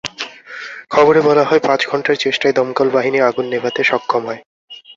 খবরে বলা হয়, পাঁচ ঘণ্টার চেষ্টায় দমকল বাহিনী আগুন নেভাতে সক্ষম হয়।